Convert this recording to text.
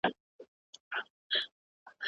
پرې مي ږده ښه درته لوگی شم بيا راونه خاندې